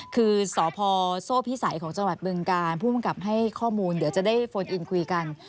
คือสพโซ่พิสัยของจังหวัดบึงการผู้กำกับให้ข้อมูลเดี๋ยวจะได้โฟนอินคุยกัน